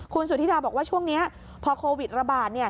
คุณสุธิดาบอกว่าช่วงนี้พอโควิดระบาด